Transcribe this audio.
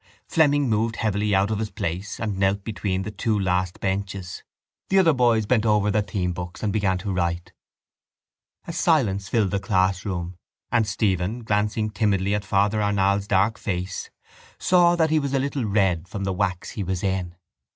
Fleming moved heavily out of his place and knelt between the two last benches. The other boys bent over their themebooks and began to write. A silence filled the classroom and Stephen, glancing timidly at Father Arnall's dark face, saw that it was a little red from the wax he was in.